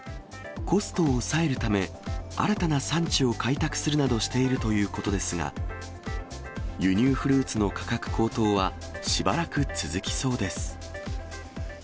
コストを抑えるため、新たな産地を開拓するなどしているということですが、輸入フルーツの価格高騰は、しばらく続きそうです。